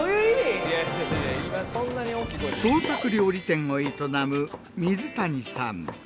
創作料理店を営む水谷さん。